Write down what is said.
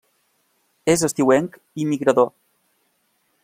És estiuenc i migrador.